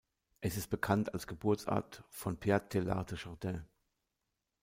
Es ist bekannt als Geburtsort von Pierre Teilhard de Chardin.